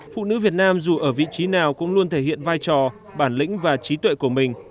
phụ nữ việt nam dù ở vị trí nào cũng luôn thể hiện vai trò bản lĩnh và trí tuệ của mình